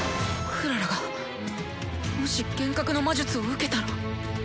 クララがもし幻覚の魔術を受けたら。